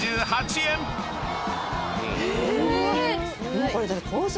もうこれ。